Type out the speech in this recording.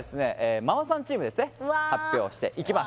ママさんチームですね発表していきます